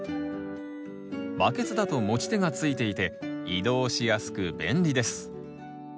バケツだと持ち手が付いていて移動しやすく便利です。